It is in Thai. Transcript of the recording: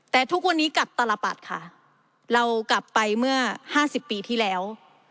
แต่ทุกวันนี้กลับตลปัดค่ะเรากลับไปเมื่อ๕๐ปีที่แล้ว